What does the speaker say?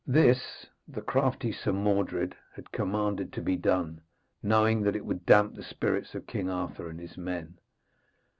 This the crafty Sir Mordred had commanded to be done, knowing that it would damp the spirits of King Arthur and his men.